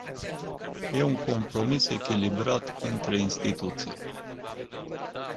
E un compromis echilibrat între instituții.